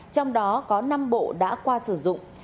trong đó có năm bộ đã qua sử dụng